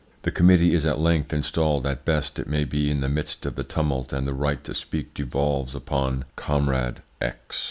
"The committee is at length installed as best it may be in the midst of the tumult, and the right to speak devolves upon `Comrade' X.